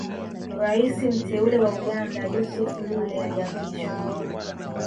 Rais mteule wa Uganda Yusuf Lule aliapishwa